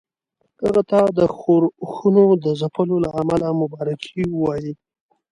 هغه ته د ښورښونو د ځپلو له امله مبارکي ووايي.